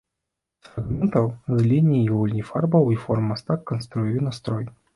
З фрагментаў, з ліній і гульні фарбаў і форм мастак канструюе настрой.